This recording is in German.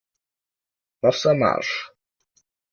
Wasser marsch!